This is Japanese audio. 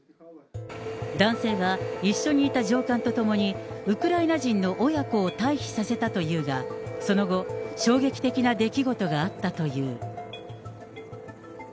男性は一緒にいた上官とともにウクライナ人の親子を退避させたというが、その後、衝撃的な出来事があったという。